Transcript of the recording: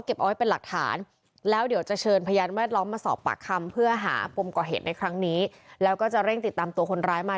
เขาเสียงไงเราเองโล่งไหม